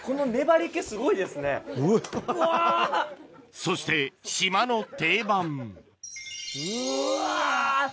そして島の定番うわ！